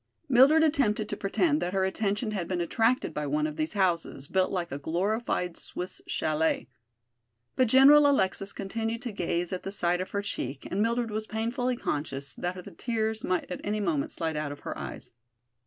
Mildred attempted to pretend that her attention had been attracted by one of these houses, built like a glorified Swiss chalet. But General Alexis continued to gaze at the side of her cheek and Mildred was painfully conscious that the tears might at any moment slide out of her eyes.